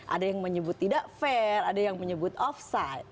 ada yang menyebut tidak fair ada yang menyebut offside